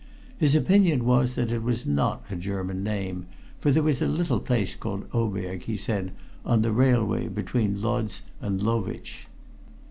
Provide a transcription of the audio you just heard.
His opinion was that it was not a German name, for there was a little place called Oberg, he said, on the railway between Lodz and Lowicz.